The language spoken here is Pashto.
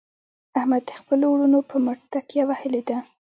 احمد د خپلو ورڼو په مټ تکیه وهلې ده.